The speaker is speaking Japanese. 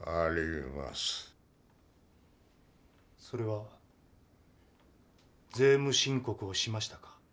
それは税務申告をしましたか？